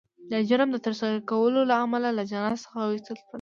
د جرم د ترسره کولو له امله له جنت څخه وایستل شول